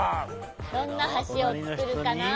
どんなはしをつくるかな？